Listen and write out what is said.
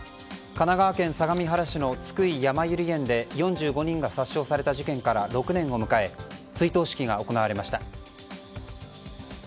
神奈川県相模原市の津久井やまゆり園で４５人が殺傷された事件から６年を迎え追悼式が行われました。